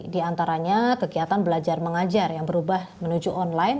di antaranya kegiatan belajar mengajar yang berubah menuju online